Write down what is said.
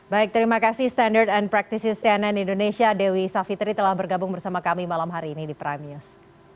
baik terima kasih standard and practices cnn indonesia dewi savitri telah bergabung bersama kami malam hari ini di prime news